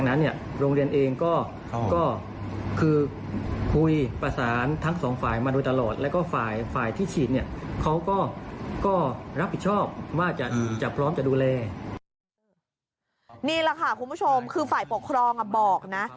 นี่แหละค่ะคุณผู้ชมคือฝ่ายปกครองบอกนะ